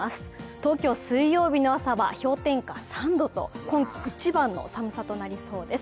東京、水曜日の朝は氷点下３度と今季一番の寒さとなりそうです。